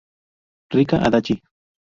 Rika Adachi